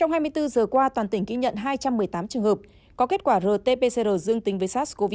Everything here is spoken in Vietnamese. trong hai mươi bốn giờ qua toàn tỉnh ghi nhận hai trăm một mươi tám trường hợp có kết quả rt pcr dương tính với sars cov hai